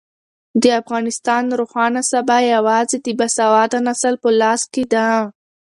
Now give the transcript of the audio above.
د افغانستان روښانه سبا یوازې د باسواده نسل په لاس کې ده.